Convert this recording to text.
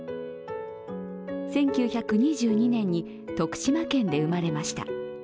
１９２２年に徳島県で生まれました。